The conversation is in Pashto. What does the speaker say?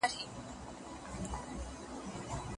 تاسو بايد د هر ګټور کتاب په لوستلو سره ځان ويښ کړئ.